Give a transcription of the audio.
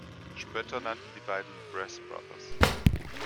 Spötter nannten die beiden „Press Brothers“.